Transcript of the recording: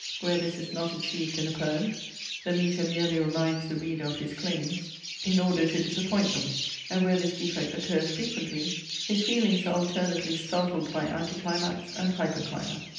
Where this is not achieved in a poem, the metre merely reminds the reader of his claims in order to disappoint them; and where this defect occurs frequently, his feelings are alternately startled by anticlimax and hyperclimax.